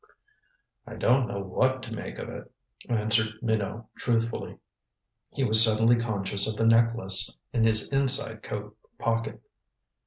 "I don't know what to make of it," answered Minot truthfully. He was suddenly conscious of the necklace in his inside coat pocket.